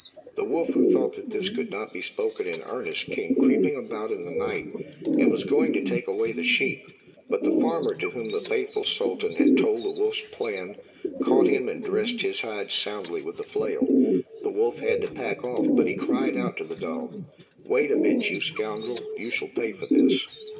The wolf, who thought that this could not be spoken in earnest, came creeping about in the night and was going to take away the sheep. But the farmer, to whom the faithful Sultan had told the wolf's plan, caught him and dressed his hide soundly with the flail. The wolf had to pack off, but he cried out to the dog, "Wait a bit, you scoundrel, you shall pay for this."